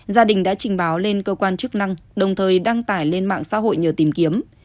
gia đình đã trình báo lên cơ quan chức năng đồng thời đăng tải lên mạng xã hội nhờ tìm kiếm